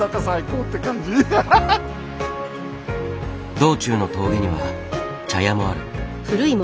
道中の峠には茶屋もある。